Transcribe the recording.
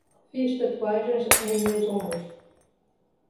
Fiz tatuagens em meus ombros